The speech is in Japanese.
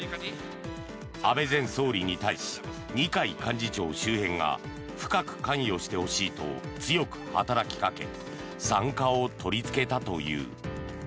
安倍前総理に対し二階幹事長周辺が深く関与してほしいと強く働きかけ参加を取りつけたという。